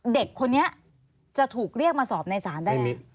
เด็กคนนี้จะถูกเรียกมาสอบในศาลได้ไหม